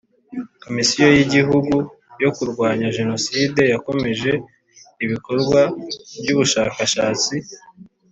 Komisiyo y Igihugu yo Kurwanya Jenoside yakomeje ibikorwa by ubushakashatsi